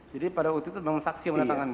jadi pada waktu itu memang saksi yang menandatangani